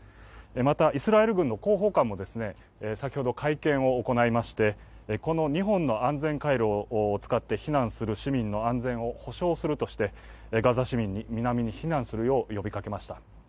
また、イスラエル軍の広報官も先ほど会見を行いまして、この２年の安全回路を使って避難する住民の安全を保証するとして、ガザ市民に南に避難するよう呼びかけました。